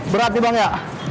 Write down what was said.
berat nih bang ya